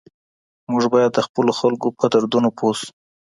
موږ باید د خپلو خلګو په دردونو پوه سو.